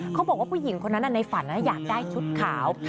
เค้าบอกว่าผู้หญิงในฝันนั้นอยากได้ชุดขาว